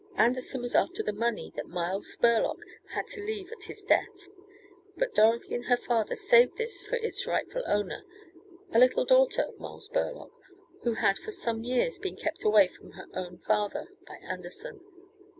Anderson was after the money that Miles Burlock had to leave at his death, but Dorothy and her father saved this for its rightful owner, a little daughter of Miles Burlock, who had for some years been kept away from her own father by Anderson.